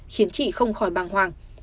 khiến chị không khỏi bàng hoàng